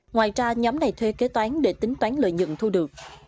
ngoài ra nhóm này thuê kế toán để tính toán lợi nhận thu được